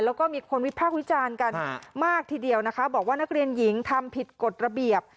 แล้วก็มีคนวิพากษ์วิจารณ์กันมากทีเดียวนะคะบอกว่านักเรียนหญิงทำผิดกฎระเบียบ